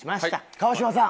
川島さん